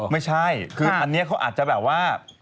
ไม่ใช่คืออันนี้เขาอาจจะแบบว่า